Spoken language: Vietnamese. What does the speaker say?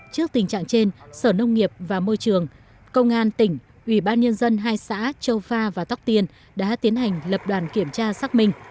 trước tình trạng trên sở nông nghiệp và môi trường công an tỉnh ủy ban nhân dân hai xã châu pha và tóc tiên đã tiến hành lập đoàn kiểm tra xác minh